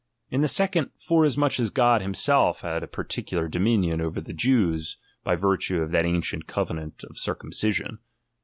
In the second, forasmuch as God himself had a peculiar dominion over the Jews, by virtue of that ancient covenant of circumcision.